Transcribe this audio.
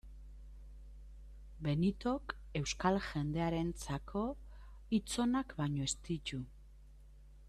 Benitok euskal jendearentzako hitz onak baino ez ditu.